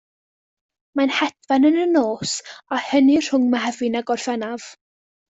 Mae'n hedfan yn y nos a hynny rhwng Mehefin a Gorffennaf.